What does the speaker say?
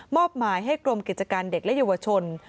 อบหมายให้กรมกิจการเด็กและเยาวชน